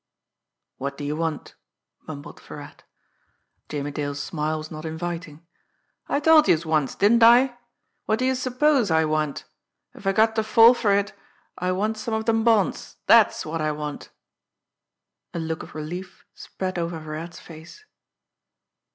"What do you want?" mumbled Virat. Jimmie Dale's smile was not inviting. "I told youse once, didn't I? What do youse suppose I want! If I got ter fall fer it, I want some of dem bonds dat's what I want!" A look of relief spread over Virat's face.